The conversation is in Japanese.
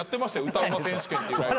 歌うま選手権っていうライブ。